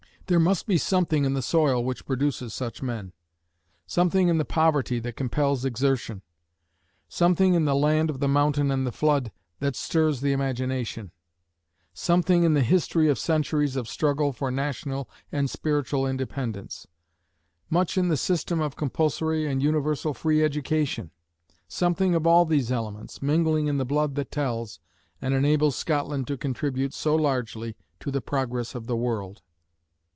There must be something in the soil which produces such men; something in the poverty that compels exertion; something in the "land of the mountain and the flood" that stirs the imagination; something in the history of centuries of struggle for national and spiritual independence; much in the system of compulsory and universal free education; something of all these elements mingling in the blood that tells, and enables Scotland to contribute so largely to the progress of the world.